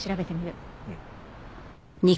うん。